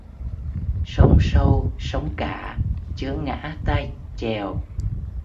Sông sâu sóng cả chớ ngã tay chèo